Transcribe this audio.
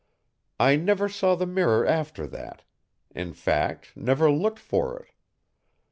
I never saw the mirror after that in fact, never looked for it.